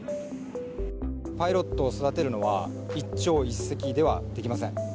パイロットを育てるのは、一朝一夕ではできません。